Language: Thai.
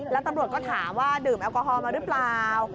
แล้วตำรวจก็ถามว่าดื่มแอลกอฮอลมาหรือเปล่า